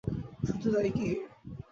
শুধু তাই কি?